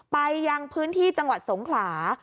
ไปยังพื้นที่จังหวัดสงขลา